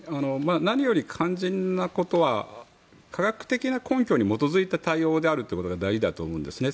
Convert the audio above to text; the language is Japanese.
何より肝心なことは科学的な根拠に基づいた対応であるということが大事だと思うんですね。